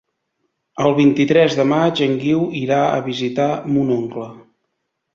El vint-i-tres de maig en Guiu irà a visitar mon oncle.